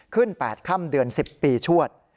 ๘ค่ำเดือน๑๐ปีชวด